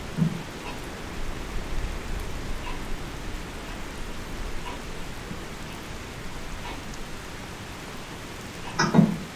Defensively responsible, he earns time on the penalty kill.